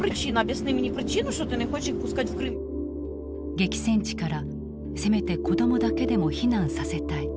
激戦地からせめて子どもだけでも避難させたい。